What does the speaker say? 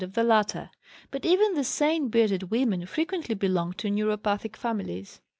of the latter; but even the sane bearded women frequently belonged to neuropathic families.